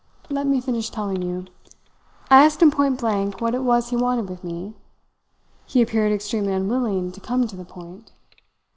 "Let me finish telling you. I asked him point blank what it was he wanted with me; he appeared extremely unwilling to come to the point.